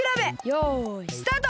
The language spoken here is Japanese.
よいスタート！